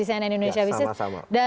di cnn indonesia business